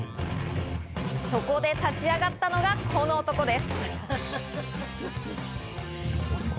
そこで立ち上がったのが、この男です。